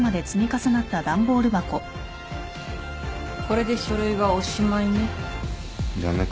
これで書類はおしまいね。